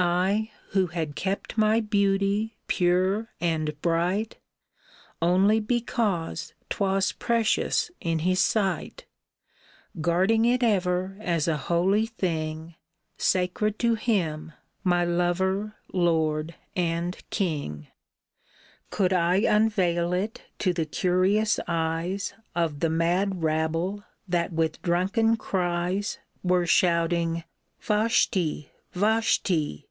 I — who had kept my beauty pure and bright Only because 'twas precious in his sight, Guarding it ever as a holy thing, Sacred to him, my lover, lord, and king, — Could I unveil ^t to the curious eyes Of the mad rabble that with drunken cries Were shouting '^ Vashti ! Vashti